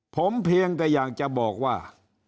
ผมเพียงแต่อยากจะบอกว่า